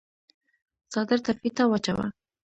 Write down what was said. څادر ته فيته واچوه۔